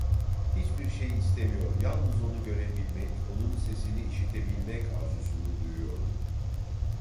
Hiçbir şey istemiyor, yalnız onu görebilmek, onun sesini işitebilmek arzusunu duyuyordum.